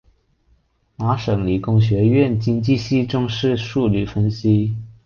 麻省理工学院经济系重视数理分析。